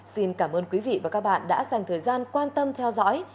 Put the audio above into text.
xin cảm ơn quý vị và các bạn đã dành thời gian quan tâm theo dõi